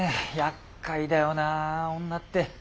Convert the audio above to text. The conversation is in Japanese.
やっかいだよな女って。